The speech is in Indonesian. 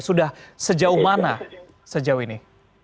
sudah sejauh mana sejauh ini